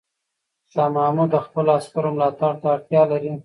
شاه محمود د خپلو عسکرو ملاتړ ته اړتیا لري.